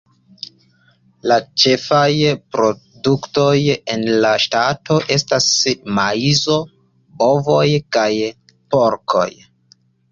La ĉefaj produktoj en la ŝtato estas maizo, bovoj, kaj porkoj.